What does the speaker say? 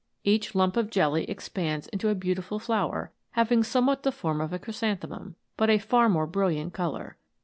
Each lump of jelly expands into a beautiful flower, having some what the form of a chrysanthemum, but a far more brilliant colour.